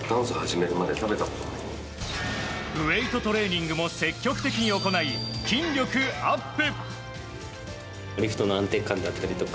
ウエイトトレーニングも積極的に行い筋力アップ。